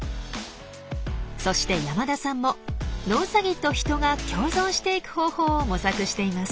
そして山田さんもノウサギと人が共存していく方法を模索しています。